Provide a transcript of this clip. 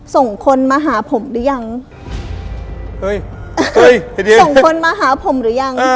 ส่งคนมาหาผมหรือยังเฮ้ยเอ้ยส่งคนมาหาผมหรือยัง